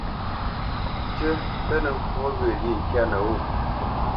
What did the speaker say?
Tʉ́ mbenə́ ŋkɔ̌ ghyə̂lyê ŋkyâ nəwô.